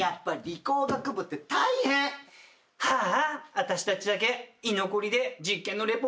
私たちだけ居残りで実験のリポートなんて大変ね。